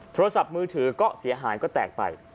โทรศัพท์มือถือก็เสียหายก็แตกไป